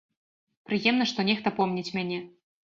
Прыемна, што нехта помніць мяне.